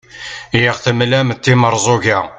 i aɣ-temlam d timerẓuga